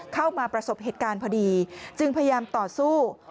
เข้ามาประสบเหตุการณ์พอดีจึงพยายามต่อสู้